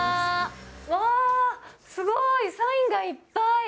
うわぁ、すごい、サインがいっぱい。